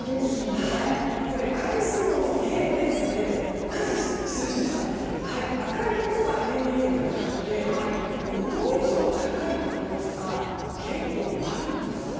海水温の平年差で赤いところが平年より高くて５度以上高いところとか結構あるんですよ。